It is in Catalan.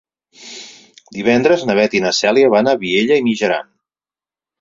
Divendres na Beth i na Cèlia van a Vielha e Mijaran.